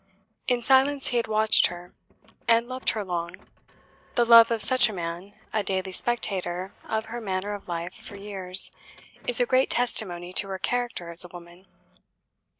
In silence he had watched her, and loved her long. The love of such a man a daily spectator of her manner of life for years is a great testimony to her character as a woman.